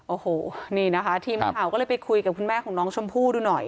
โอ้โหนี่นะคะทีมข่าวก็เลยไปคุยกับคุณแม่ของน้องชมพู่ดูหน่อย